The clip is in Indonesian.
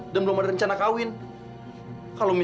dan belum ada rencana untuk berkahwin